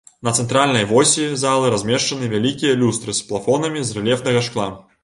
На цэнтральнай восі залы размешчаны вялікія люстры з плафонамі з рэльефнага шкла.